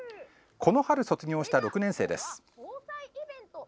この春卒業した６年生です。